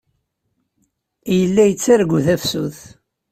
Yella yettargu tafsut.